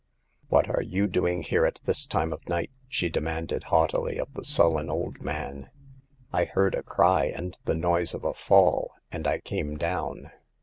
"What are you doing here at this time of night ?" she demanded haughtily of the sullen old man. I heard a cry and the noise of a fall, and I came down."